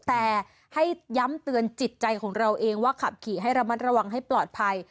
แต่ให้ย้ำเตือนจิตใจของเราเองว่าขับขี่ให้ระมัดระวังให้ปลอดภัย